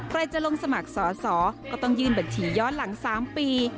ใครจะลงสมัครสอสอก็ต้องยื่นบัญชีย้อนหลัง๓ปี